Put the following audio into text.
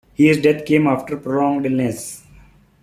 His death came after a prolonged illness.